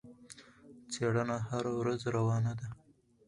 څېړنه هره ورځ روانه ده.